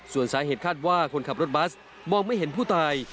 ส่วนสาเหตุคาดว่าคนขับรถบัสมองไม่เห็นผู้ตาย